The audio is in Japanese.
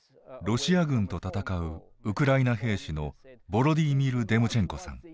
ロシア軍と戦うウクライナ兵士のヴォロディーミル・デムチェンコさん。